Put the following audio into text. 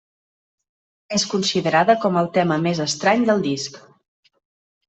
És considerada com el tema més estrany del disc.